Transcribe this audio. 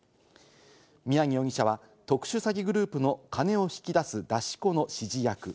宮城容疑者は特殊詐欺グループの金を引き出す出し子の指示役。